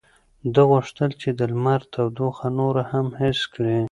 ده غوښتل چې د لمر تودوخه نوره هم حس کړي.